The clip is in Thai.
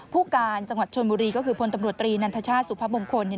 ผู้การจังหวัดชนบุรีก็คือพลตำรวจตรีนันทชาติสุพมงคล